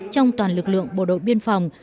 trong toàn lực lượng bộ đội biên phòng